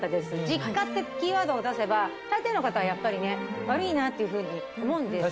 「実家」ってキーワードを出せば大抵の方はやっぱりね悪いなっていうふうに思うんで。